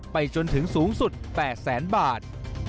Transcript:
ไปจนถึงสูงสุด๘แสนบาท